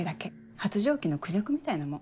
発情期のクジャクみたいなもん。